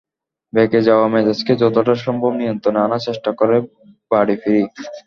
বেঁকে যাওয়া মেজাজকে যতটা সম্ভব নিয়ন্ত্রণে আনার চেষ্টা করে বাড়ি ফিরি।